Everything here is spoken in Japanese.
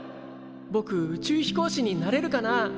ぼく宇宙飛行士になれるかな？